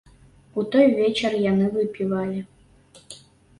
У той вечар яны выпівалі.